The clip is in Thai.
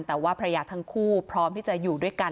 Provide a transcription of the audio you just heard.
แต่ว่าภรรยาทั้งคู่พร้อมที่จะอยู่ด้วยกัน